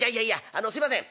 あのすいません。